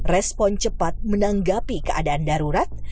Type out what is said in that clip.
respon cepat menanggapi keadaan darurat